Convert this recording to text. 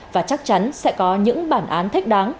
và chắc chắn sẽ có những bản án thích đáng